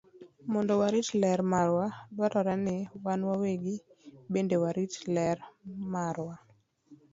Mondo warit ler marwa, dwarore ni wan wawegi bende warit ler marwa.